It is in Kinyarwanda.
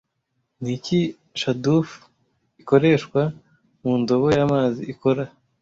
niki Shadoof ikoreshwa mu ndobo y'amazi ikora